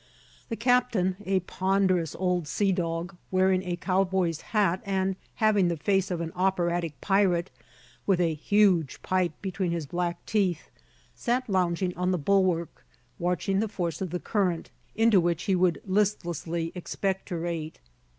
The captain, a ponderous old sea dog, wearing a cowboy's hat and having the face of an operatic pirate, with a huge pipe between his black teeth, sat lounging on the bulwark, watching the force of the current, into which he would listlessly expectorate.